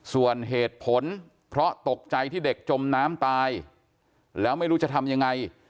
ส่วนเหตุผลเพราะตกใจที่เด็กจมน้ำตายแล้วไม่รู้จะทำยังไง